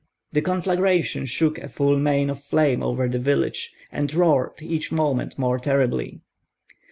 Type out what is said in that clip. The conflagration shook a full mane of flame over the village, and roared each moment more terribly.